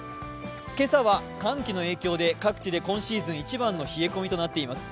今朝は寒気の影響で各地で今シーズン一番の寒さとなっています。